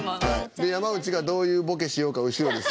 山内がどういうボケしようか後ろで。